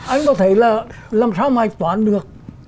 anh có thể là làm sao mà anh toán được